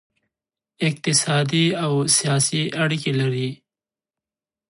اقتصادي او سیاسي اړیکې لري